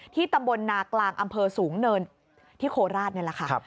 ตำบลนากลางอำเภอสูงเนินที่โคราชนี่แหละค่ะ